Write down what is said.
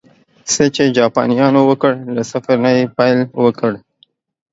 څه چې جاپانيانو وکړل، له صفر نه یې پیل کړل